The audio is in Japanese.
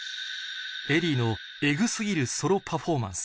ＥＬＬＹのエグ過ぎるソロパフォーマンス